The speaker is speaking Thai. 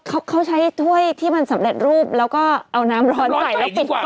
เขาเขาใช้ถ้วยที่มันสำเร็จรูปแล้วก็เอาน้ำร้อนใส่แล้วปิด